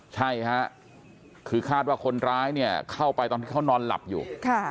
ใช่ค่ะคือคาดว่าคนร้ายเนี่ยเข้าไปตอนที่เขานอนหลับอยู่